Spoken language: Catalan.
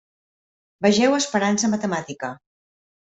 Vegeu esperança matemàtica.